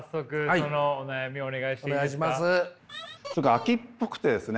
飽きっぽくてですね。